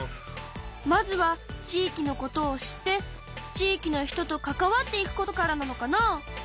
まずは地域のことを知って地域の人と関わっていくことからなのかな。